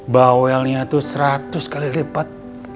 bawelnya itu seratus kali lipat